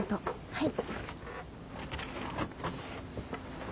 はい！